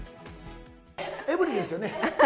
エブリィですよね。